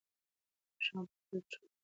ماشوم په خپلو پښو کې لړزه احساسوله.